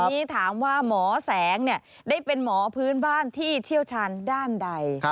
ทีนี้ถามว่าหมอแสงได้เป็นหมอพื้นบ้านที่เชี่ยวชาญด้านใด